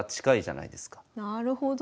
なるほど。